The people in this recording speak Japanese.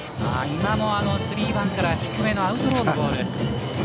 今のスリーワンから低めのアウトローのボール。